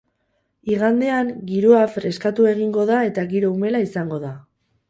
Igandean, giroa feskatu egingo da eta giro umela izango da.